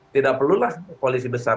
tidak perlulah polisi besar